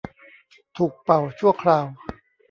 ถูกเป่าชั่วคราว